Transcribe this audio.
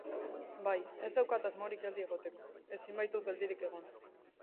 Bai, ez daukat asmorik geldi egoteko, ezin baitut geldirik egon.